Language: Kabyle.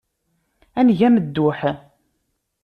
Ad neg amedduḥ.